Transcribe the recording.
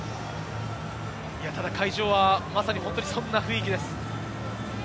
ただ会場はそんな雰囲気です。